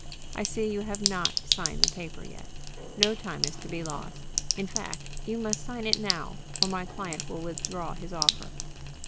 I see you have not signed the paper yet. No time is to be lost. In fact, you must sign it now, or my client will withdraw from his offer."